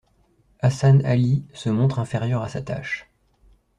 Hasan Ali se montre inférieur à sa tache.